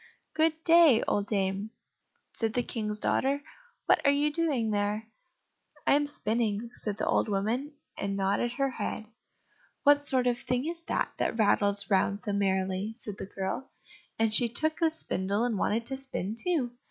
"Good day, old dame," said the King's daughter; "what are you doing there?" "I am spinning," said the old woman, and nodded her head. "What sort of thing is that, that rattles round so merrily?" said the girl, and she took the spindle and wanted to spin too.